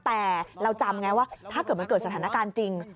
แต่เราจำไงว่าถ้าเกิดมันเกิดสถานการณ์จริง